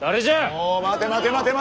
お待て待て待て待て待て。